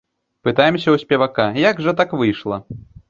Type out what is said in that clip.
Пытаемся ў спевака, як жа так выйшла?